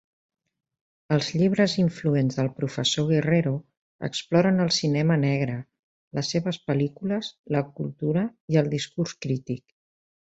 Els llibres influents del professor Guerrero exploren el cinema negre, les seves pel·lícules, la cultura i el discurs crític.